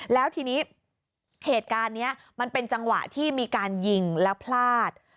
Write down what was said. แล้วทีนี้เหตุการณ์นี้มันเป็นจังหวะที่มีการยิงแล้วพลาด